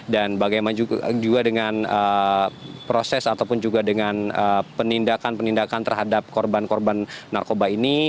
bagaimana juga dengan proses ataupun juga dengan penindakan penindakan terhadap korban korban narkoba ini